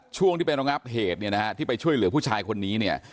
ช่วงที่เป็นรองับเหตุเนี่ยนะฮะที่ไปช่วยเหลือผู้ชายคนนี้เนี่ย